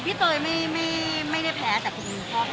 พี่เตยไม่ได้แพ้จ่ะคุณเพาะแพ้มั้ย